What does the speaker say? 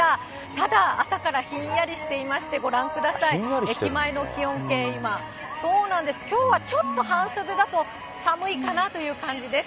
ただ、朝からひんやりしていまして、ご覧ください、駅前の気温計、今、きょうはちょっと半袖だと寒いかなという感じです。